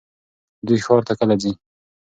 دوی ښار ته کله ځي؟